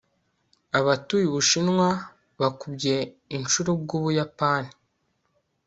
Abatuye Ubushinwa bakubye inshuro ubwUbuyapani